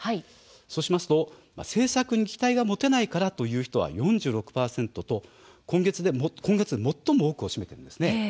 そうしますと「政策に期待が持てないから」という人は４６％と今月、最も多くを占めたんです。